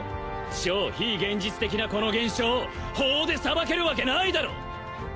超非現実的なこの現象を法で裁けるわけないだろ！